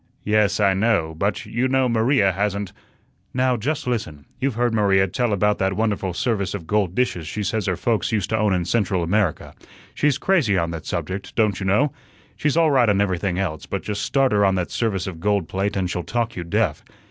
"Yes, I know; but you know Maria hasn't " "Now, just listen. You've heard Maria tell about that wonderful service of gold dishes she says her folks used to own in Central America; she's crazy on that subject, don't you know. She's all right on everything else, but just start her on that service of gold plate and she'll talk you deaf.